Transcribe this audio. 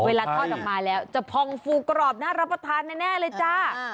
ทอดออกมาแล้วจะพองฟูกรอบน่ารับประทานแน่เลยจ้า